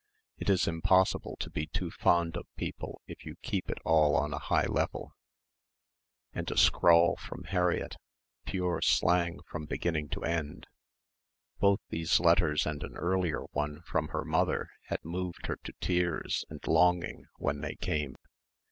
It is impossible to be too fond of people if you keep it all on a high level," and a scrawl from Harriett, pure slang from beginning to end. Both these letters and an earlier one from her mother had moved her to tears and longing when they came.